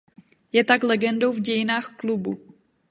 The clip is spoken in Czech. Je tak legendou v dějinách klubu.